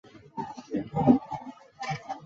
弗勒里涅人口变化图示